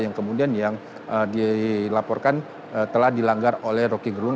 yang kemudian yang dilaporkan telah dilanggar oleh roky gerung